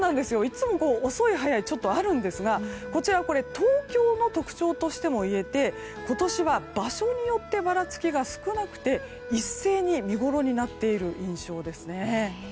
いつも遅い早いがちょっとあるんですがこちら、東京の特徴としても言えて今年は場所によってばらつきが少なくて一斉に見ごろになっている印象ですね。